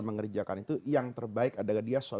mengerjakan itu yang terbaik adalah dia